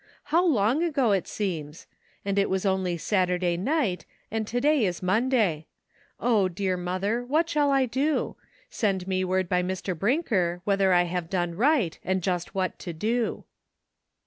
How long ago it seems! And it wasjonly Satur day night, and to day is Mondaj'. O, dear mother! what shall DARE DAYS. 149 I do? Send me word by Mr. Brinker whether I have done right, and just what to do.